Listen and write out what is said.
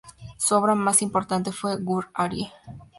Su obra más importante fue "Gur Arie".